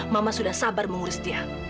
mama sudah sabar mengurus dia